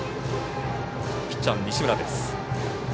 ピッチャーの西村です。